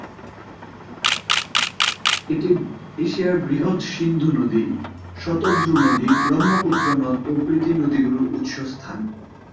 এটি এশিয়ার বৃহৎ সিন্ধু নদী, শতদ্রু নদী, ব্রহ্মপুত্র নদ প্রভৃতি নদীগুলোর উৎস স্থান।